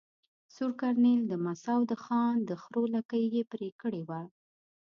سور کرنېل د مساو د خان د خرو لکې ېې پرې کړي وه.